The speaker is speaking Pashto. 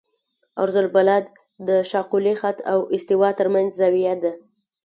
عرض البلد د شاقولي خط او استوا ترمنځ زاویه ده